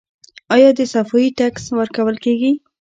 آیا د صفايي ټکس ورکول کیږي؟